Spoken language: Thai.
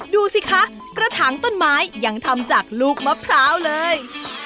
ดูสิคะกระถางต้นไม้ยังทำจากลูกมะพร้าวเลย